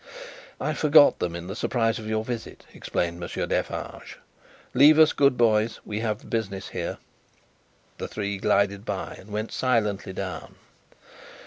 "I forgot them in the surprise of your visit," explained Monsieur Defarge. "Leave us, good boys; we have business here." The three glided by, and went silently down.